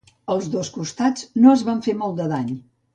Els dos costats no es van fer molt de dany.